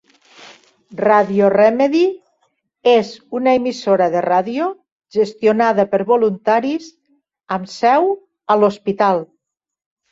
Radio Remedy és una emissora de ràdio gestionada per voluntaris amb seu a l'hospital.